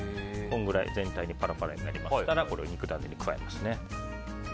全体にパラパラになりましたらこれを肉ダネに加えます。